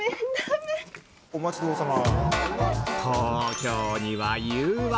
・お待ちどおさま